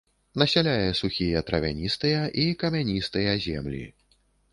Насяляе сухія травяністыя і камяністыя зямлі.